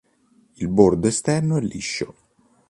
Il bordo esterno è liscio.